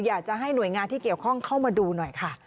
อยากจะให้หน่วยงานที่เกี่ยวข้องเข้ามาดูหน่อยค่ะ